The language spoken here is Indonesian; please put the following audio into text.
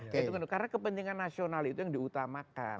karena kepentingan nasional itu yang diutamakan